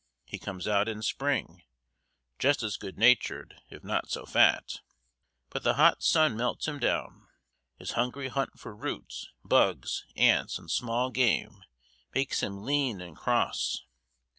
He comes out in spring, just as good natured, if not so fat. But the hot sun melts him down. His hungry hunt for roots, bugs, ants and small game makes him lean and cross.